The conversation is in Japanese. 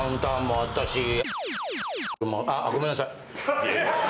あごめんなさい。